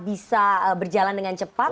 bisa berjalan dengan cepat